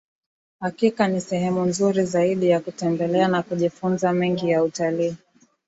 Hakika ni sehemu nzuri zaidi ya kutembelea na kujifunza mengi ya utalii